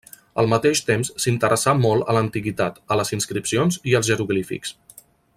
Al mateix temps s'interessà molt a l'antiguitat, a les inscripcions i als jeroglífics.